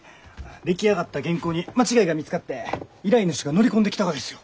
出来上がった原稿に間違いが見つかって依頼主が乗り込んできたがですよ。